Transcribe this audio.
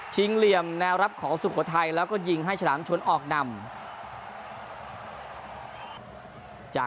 เหลี่ยมแนวรับของสุโขทัยแล้วก็ยิงให้ฉลามชนออกนำ